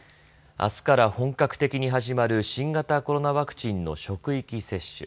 あすから本格的に始まる新型コロナワクチンの職域接種。